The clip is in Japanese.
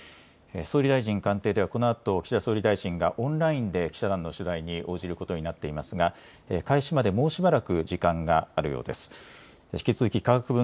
総理大臣官邸ではこのあと岸田総理大臣がオンラインで記者団の取材に応じることになっていますが開始まで、もうしばらく時間があるようです。